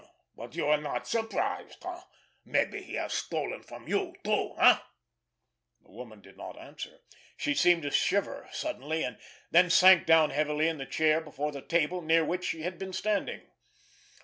But you are not surprised, eh? Maybe he has stolen from you, too, eh?" The woman did not answer. She seemed to shiver suddenly, and then sank down heavily in the chair before the table, near which she had been standing.